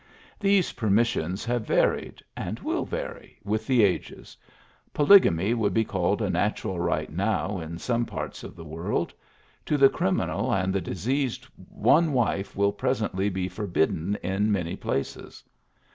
These permissions have varied, and will vary, with the ages. Polygamy would be called a natural right now in some parts erf the world; to the criminal and the diseased one wife will presently be forbidden in many places.